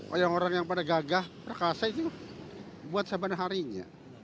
oh yang orang yang pada gagah mereka saya itu buat sebanah harinya